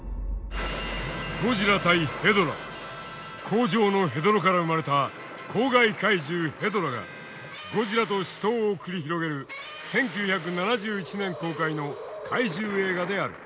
工場のヘドロから生まれた公害怪獣へドラがゴジラと死闘を繰り広げる１９７１年公開の怪獣映画である。